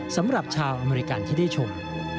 สำหรับชาวอเมริกันที่ได้ชม